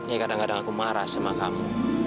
ya kadang kadang aku marah sama kamu